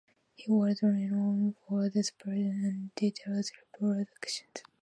He was renowned for his precision and detailed reproduction.